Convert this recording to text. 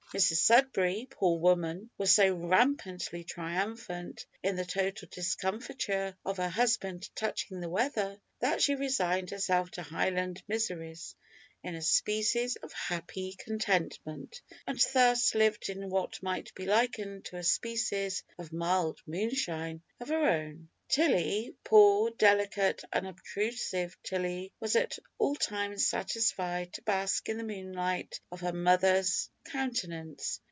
Mrs Sudberry, poor woman, was so rampantly triumphant in the total discomfiture of her husband touching the weather, that she resigned herself to Highland miseries in a species of happy contentment, and thus lived in what may be likened to a species of mild moonshine of her own. Tilly, poor, delicate, unobtrusive Tilly, was at all times satisfied to bask in the moonlight of her mother's countenance.